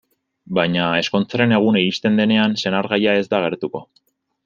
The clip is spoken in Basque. Baina, ezkontzaren eguna iristen denean, senargaia ez da agertuko.